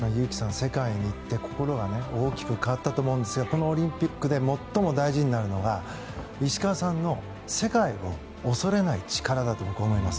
世界に行って心が大きく変わったと思うんですがこのオリンピックで最も大事になるのは石川さんの世界を恐れない力だと思います。